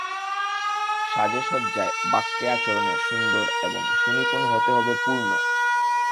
সাজে সজ্জায় বাক্যে আচরণে সুন্দর এবং সুনিপুণ হতে হবে– পূর্ণ।